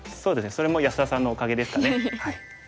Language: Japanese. それも安田さんのおかげですかね。